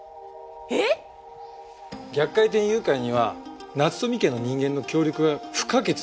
逆回転誘拐には夏富家の人間の協力が不可欠なんだよ。